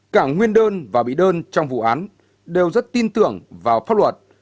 cả nguyên đơn và bị đơn trong vụ án đều rất tin tưởng vào pháp luật